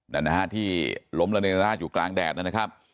นั่นนะฮะที่ล้มระเนนาดอยู่กลางแดดนะครับ